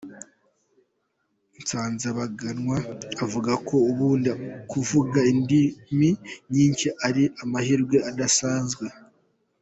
Nsanzabaganwa avuga ko ubundi kuvuga indimi nyinshi ari amahirwe adasanzwe.